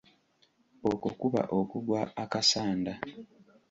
Okwo kuba okugwa akasanda.